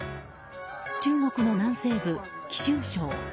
中国の南西部、貴州省。